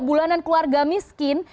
dan belanja kemiskin